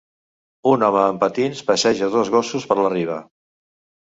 Un home en patins passeja dos gossos per la riba.